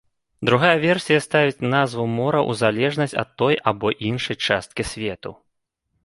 Другая версія ставіць назву мора ў залежнасць ад той або іншай часткі свету.